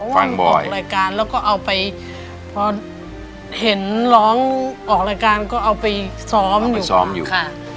เพราะว่าออกรายการแล้วก็เอาไปเพราะเห็นร้องออกรายการก็เอาไปซ้อมอยู่ค่ะ